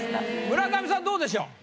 村上さんどうでしょう？